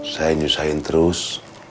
saya nyusahin terus